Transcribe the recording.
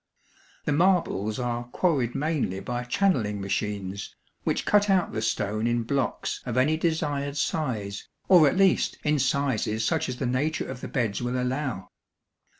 The marbles are quarried mainly by channeling machines, which cut out the stone in blocks of any desired size, or at least in sizes such as the nature of the beds will allow.